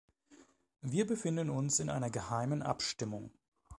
Wir befinden uns in einer geheimen Abstimmung.